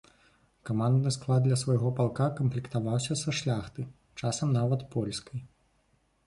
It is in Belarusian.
Камандны склад для свайго палка камплектаваўся са шляхты, часам нават польскай.